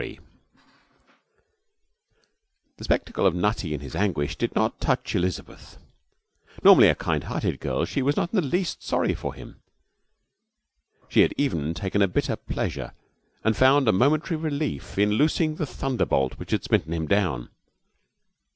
23 The spectacle of Nutty in his anguish did not touch Elizabeth. Normally a kind hearted girl, she was not in the least sorry for him. She had even taken a bitter pleasure and found a momentary relief in loosing the thunderbolt which had smitten him down.